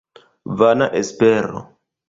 Vana espero!